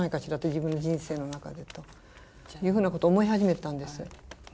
自分の人生の中でというふうなことを思い始めたんです。